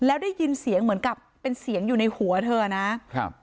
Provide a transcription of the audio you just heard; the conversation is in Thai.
แล้วได้ยินเสียงเหมือนกับเป็นเสียงอยู่ในหัวเธอนะครับ